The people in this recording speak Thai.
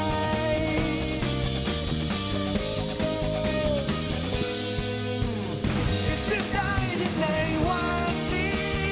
คือเสียดายที่ในวันนี้